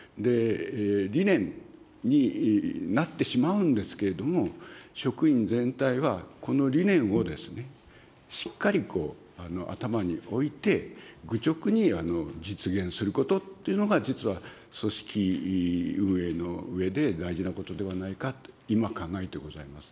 理念になってしまうんですけれども、職員全体は、この理念をですね、しっかり頭に置いて、愚直に実現することっていうのが、実は組織運営のうえで大事なことではないかと、今考えてございます。